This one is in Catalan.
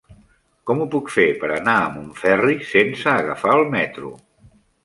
Com ho puc fer per anar a Montferri sense agafar el metro?